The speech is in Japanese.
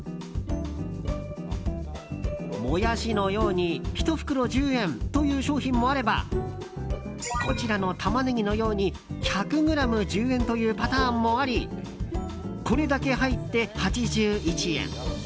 モヤシのように１袋１０円という商品もあればこちらのタマネギのように１００ｇ１０円というパターンもありこれだけ入って８１円。